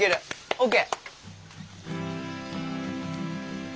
ＯＫ。